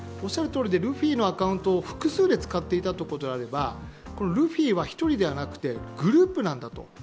ルフィのアカウントを複数で使っていたということであればルフィは、１人ではなくてグループなんだと。